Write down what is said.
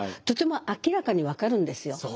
とても明らかに分かるんですよ。